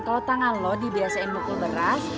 kalau tangan lo dibiasain pukul beras